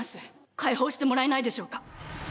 解放してもらえないでしょうか。